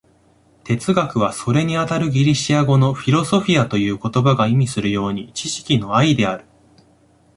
哲学は、それにあたるギリシア語の「フィロソフィア」という言葉が意味するように、知識の愛である。